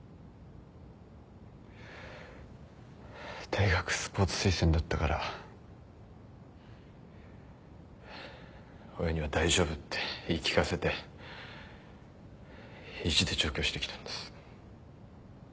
大学スポーツ推薦だったから親には大丈夫って言い聞かせて意地で上京してきたんです。